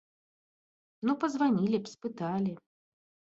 Ну пазванілі б, спыталі.